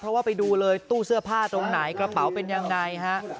เพราะว่าไปดูเลยตู้เสื้อผ้าตรงไหนกระเป๋าเป็นยังไงฮะ